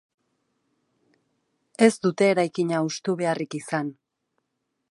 Ez dute eraikina hustu beharrik izan.